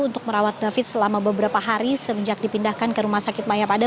untuk merawat david selama beberapa hari semenjak dipindahkan ke rumah sakit mayapada